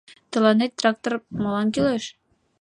— Тыланет трактор молан кӱлеш?